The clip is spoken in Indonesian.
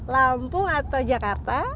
lampung atau jakarta